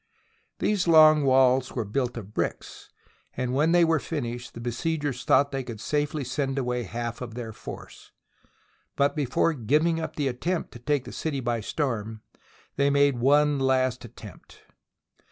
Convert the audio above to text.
These long walls were built of bricks, and when they were finished, the besiegers thought they could safely send away half of their force. But be fore giving up the attempt to take the city by storm, they made one last attempt.